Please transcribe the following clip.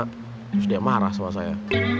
terus dia marah sama saya